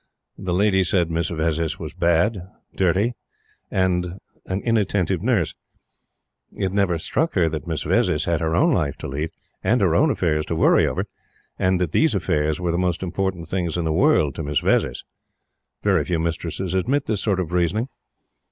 The lady said Miss Vezzis was a bad, dirty nurse and inattentive. It never struck her that Miss Vezzis had her own life to lead and her own affairs to worry over, and that these affairs were the most important things in the world to Miss Vezzis. Very few mistresses admit this sort of reasoning.